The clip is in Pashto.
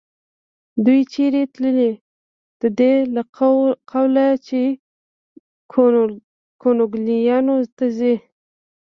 دوی چېرې تلې؟ د دې له قوله چې کونګلیانو ته ځي.